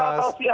terima kasih mas